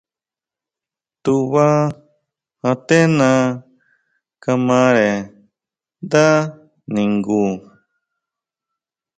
Tubá aténa kamare ndá ningu.